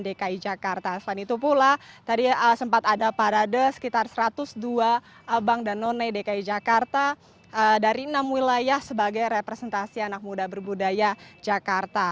dki jakarta selain itu pula tadi sempat ada parade sekitar satu ratus dua abang dan none dki jakarta dari enam wilayah sebagai representasi anak muda berbudaya jakarta